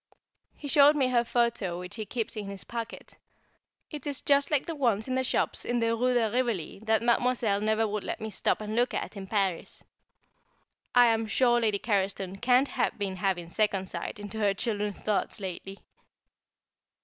He showed me her photo, which he keeps in his pocket. It is just like the ones in the shops in the Rue de Rivoli that Mademoiselle never would let me stop and look at in Paris. I am sure Lady Carriston can't have been having second sight into her children's thoughts lately!